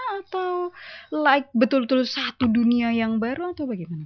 atau like betul betul satu dunia yang baru atau bagaimana